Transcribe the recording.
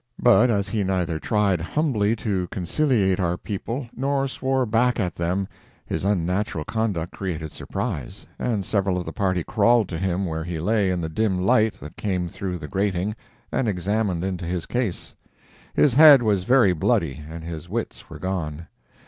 But as he neither tried humbly to conciliate our people nor swore back at them, his unnatural conduct created surprise, and several of the party crawled to him where he lay in the dim light that came through the grating, and examined into his case. His head was very bloody and his wits were gone.